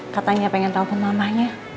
katanya pengen telfon mamanya